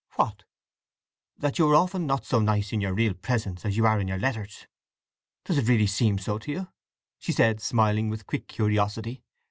"What?" "That you are often not so nice in your real presence as you are in your letters!" "Does it really seem so to you?" said she, smiling with quick curiosity.